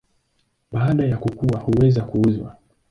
Baada ya kukua huweza kuuzwa.